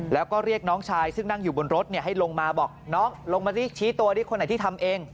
แล้วก็เรียกน้องชายซึ่งนั่งอยู่บนรถให้ลงมาบอกน้องลงมาสิชี้ตัวดิคนไหนที่ทำเอง